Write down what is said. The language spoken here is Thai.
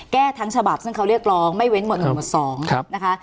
แก้ทั้งฉบับซึ่งเขาเรียกรองไม่เว้นหมดหนึ่งหมดสองครับนะคะ